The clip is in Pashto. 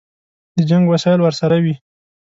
د جنګ وسایل ورسره وي.